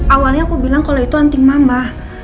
awalnya aku bilang kalau itu anting mamah